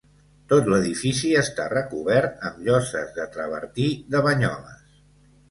Tot l'edifici està recobert amb lloses de travertí de Banyoles.